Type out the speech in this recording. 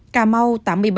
cà mau tám mươi bảy